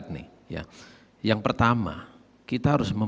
tetap menurut saya